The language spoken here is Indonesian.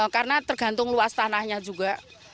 karena tergantung luas tanahnya juga